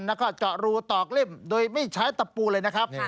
แล้วก็เจาะรูตอกเล่มโดยไม่ใช้ตะปูเลยนะครับ